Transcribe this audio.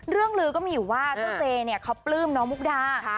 ลือก็มีอยู่ว่าเจ้าเจเนี่ยเขาปลื้มน้องมุกดา